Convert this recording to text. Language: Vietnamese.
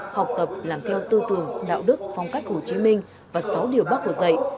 học tập làm theo tư tưởng đạo đức phong cách hồ chí minh và sáu điều bác hồ dạy